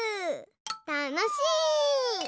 たのしい！